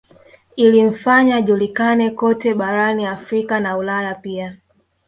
Ilimfanya ajulikane kote barani Afrika na Ulaya pia